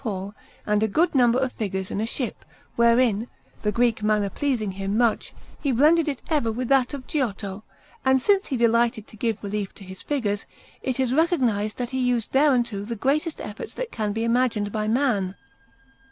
Paul, and a good number of figures in a ship, wherein, the Greek manner pleasing him much, he blended it ever with that of Giotto; and since he delighted to give relief to his figures, it is recognized that he used thereunto the greatest efforts that can be imagined by man.